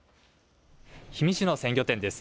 氷見市の鮮魚店です。